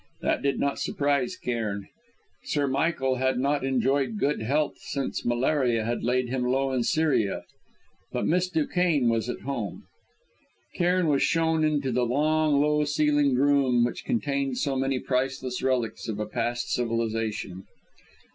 That did not surprise Cairn; Sir Michael had not enjoyed good health since malaria had laid him low in Syria. But Miss Duquesne was at home. Cairn was shown into the long, low ceiled room which contained so many priceless relics of a past civilisation.